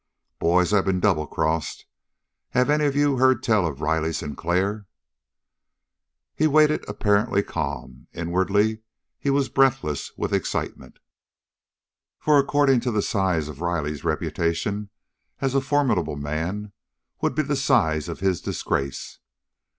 "Boys, I've been double crossed. Have any of you heard tell of Riley Sinclair?" He waited apparently calm. Inwardly he was breathless with excitement, for according to the size of Riley's reputation as a formidable man would be the size of his disgrace.